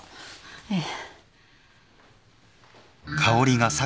ええ。